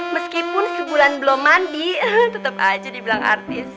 meskipun sebulan belum mandi tetap aja dibilang artis